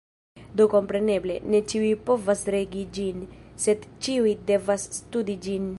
Do kompreneble, ne ĉiuj povas regi ĝin, sed ĉiuj devas studi ĝin.